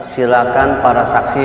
silakan para saksi